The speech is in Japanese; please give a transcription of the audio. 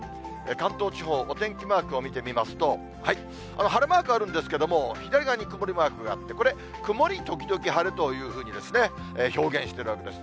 関東地方、お天気マークを見てみますと、晴れマークあるんですけれども、左側に曇りマークがあって、これ、曇り時々晴れというふうにですね、表現してるんです。